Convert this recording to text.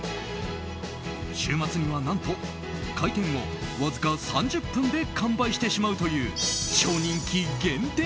週末には何と開店後わずか３０分で完売してしまうという超人気限定